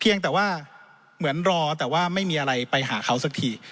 ยังแต่ว่าเหมือนรอแต่ว่าไม่มีอะไรไปหาเขาสักที